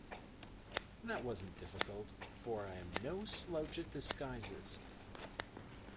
That wasn’t difficult, for I’m no slouch at disguises.